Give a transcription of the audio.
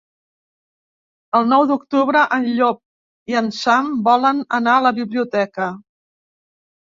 El nou d'octubre en Llop i en Sam volen anar a la biblioteca.